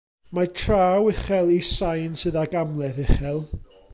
Mae traw uchel i sain sydd ag amledd uchel.